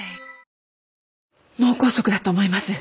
脳梗塞だと思います。